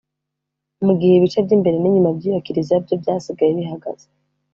mu gihe ibice by’imbere n’inyuma by’iyo kiriziya byo byasigaye bihagaze